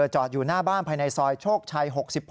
จอดอยู่หน้าบ้านภายในซอยโชคชัย๖๘